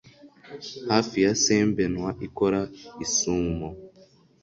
hafi ya SaintBenoît ikora isumo